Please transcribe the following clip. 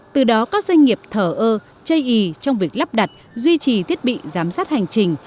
từ đó các doanh nghiệp thở ơ chây ý trong việc lắp đặt duy trì thiết bị giám sát hành trình